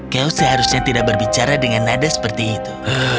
kau seharusnya tidak berbicara dengan nada seperti itu